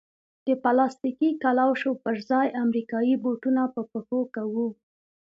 د پلاستیکي کلوشو پر ځای امریکایي بوټونه په پښو کوو.